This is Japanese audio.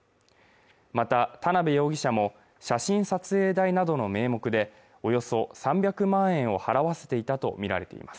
また田辺容疑者も写真撮影代などの名目でおよそ３００万円を払わせていたとみられています